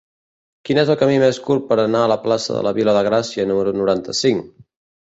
Quin és el camí més curt per anar a la plaça de la Vila de Gràcia número noranta-cinc?